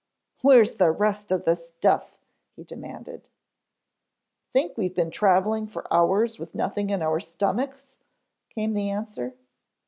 "Where's the rest of the stuff?" he demanded. "Think we been traveling for hours with nothing in our stomachs?" came the answer.